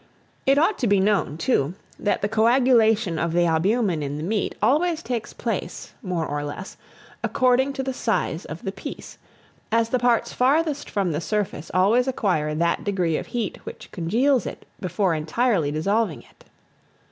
It ought to be known, too, that the coagulation of the albumen in the meat, always takes place, more or less, according to the size of the piece, as the parts farthest from the surface always acquire that degree of heat which congeals it before entirely dissolving it.